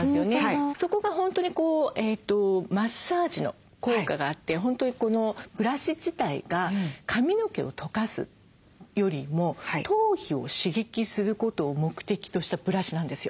そこが本当にマッサージの効果があって本当にこのブラシ自体が髪の毛をとかすよりも頭皮を刺激することを目的としたブラシなんですよ。